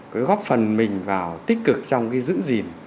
cứ góp phần mình vào tích cực trong cái giữ gìn